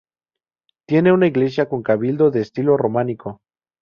Tiene una iglesia con cabildo de estilo románico.